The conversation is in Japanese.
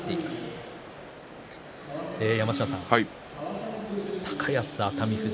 山科さん、高安、熱海富士